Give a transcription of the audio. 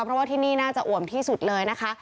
เพราะว่าที่นี่น่าจะอ่วมที่สุดเลยนะคะ